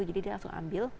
jadi dia langsung ambil